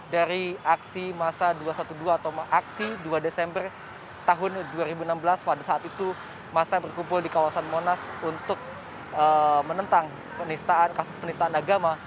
dari aksi masa dua ratus dua belas atau aksi dua desember tahun dua ribu enam belas pada saat itu masa berkumpul di kawasan monas untuk menentang kasus penistaan agama